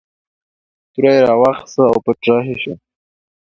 توره یې راواخیستله او پټ رهي شو.